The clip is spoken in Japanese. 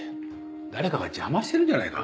誰かが邪魔してるんじゃないか？